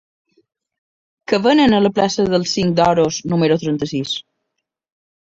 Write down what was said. Què venen a la plaça del Cinc d'Oros número trenta-sis?